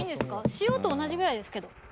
塩と同じぐらいですけど。